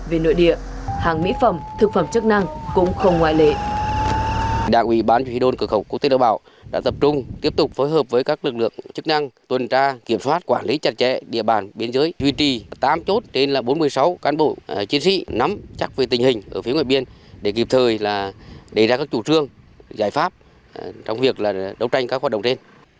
về nội địa hàng mỹ phẩm thực phẩm chức năng cũng không ngoại lệ